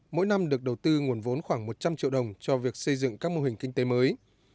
mỗi năm được đầu tư nguồn vốn khoảng một trăm linh triệu đồng cho việc xây dựng các mô hình kinh tế mới